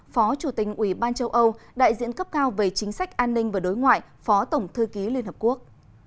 phó chủ tình ủy ban châu âu đại diện cấp cao về chính sách an ninh và đối ngoại phó tổng thư ký liên hợp quốc